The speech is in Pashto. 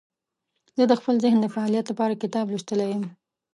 زه د خپل ذهن د فعالیت لپاره کتاب لوستلی یم.